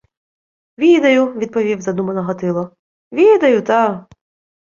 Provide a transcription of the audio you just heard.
— Відаю, — відповів задумано Гатило. — Відаю, та...